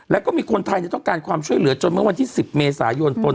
แล้วก็มีคนไทยต้องการความช่วยเหลือจนเมื่อวันที่๑๐เมษายนตน